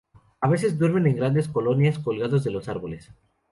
A veces duermen en grandes colonias, colgados de los árboles.